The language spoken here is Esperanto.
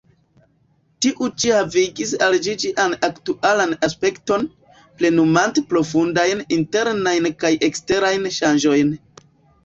Tiu-ĉi havigis al ĝi ĝian aktualan aspekton, plenumante profundajn internajn kaj eksterajn ŝanĝojn.